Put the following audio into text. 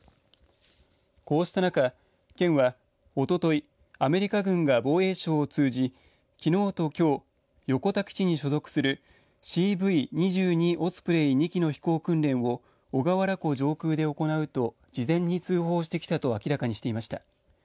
こうした中県は、おとといアメリカ軍が防衛省を通じきのうときょう横田基地に所属するＣＶ‐２２オスプレイ２機の飛行訓練を小川原湖上空で行うと事前に通報してきたと明らかにしていました。